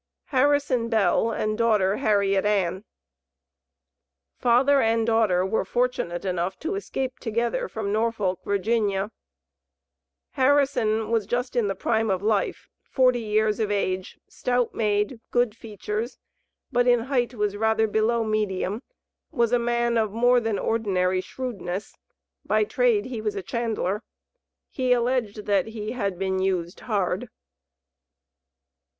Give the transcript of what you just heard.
HARRISON BELL AND DAUGHTER HARRIET ANN. Father and daughter were fortunate enough to escape together from Norfolk, Va. Harrison was just in the prime of life, forty years of age, stout made, good features, but in height was rather below medium, was a man of more than ordinary shrewdness, by trade he was a chandler. He alleged that he had been used hard.